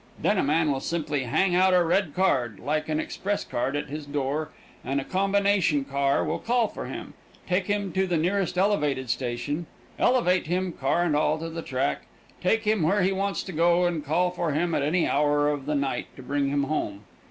Then a man will simply hang out a red card, like an express card, at his door, and a combination car will call for him, take him to the nearest elevated station, elevate him, car and all, to the track, take him where he wants to go, and call for him at any hour of the night to bring him home.